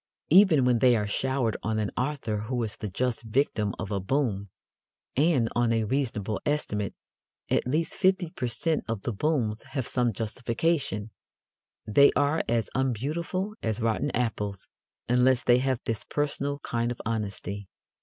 Even when they are showered on an author who is the just victim of a boom and, on a reasonable estimate, at least fifty per cent of the booms have some justification they are as unbeautiful as rotten apples unless they have this personal kind of honesty.